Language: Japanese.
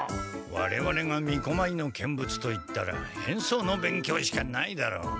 われわれがみこまいの見物といったらへんそうの勉強しかないだろう？